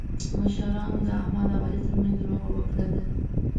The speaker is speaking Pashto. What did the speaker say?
مشرانو د احمد او علي ترمنځ روغه وکړله.